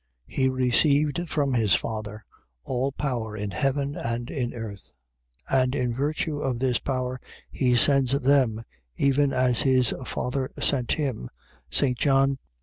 He received from his Father all power in heaven and in earth: and in virtue of this power, he sends them (even as his Father sent him, St. John 20.